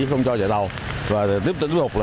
không cho chạy tàu và tiếp tục